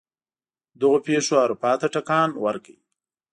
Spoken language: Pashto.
دغو پېښو اروپا ته ټکان ورکړ.